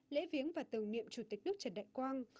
lễ viếng và tưởng niệm chủ tịch nước trần đại quang